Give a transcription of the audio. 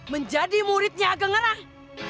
yang nya ageng gerang